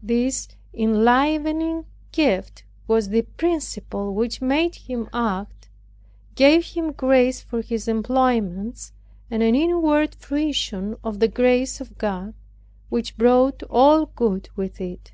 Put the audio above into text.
This enlivening gift was the principle which made him act, gave him grace for his employments, and an inward fruition of the grace of God, which brought all good with it.